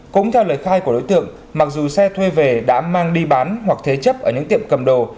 cũng theo lời khai của đối tượng mặc dù xe thuê về đã mang đi bán hoặc thế chấp ở những tiệm cầm đồ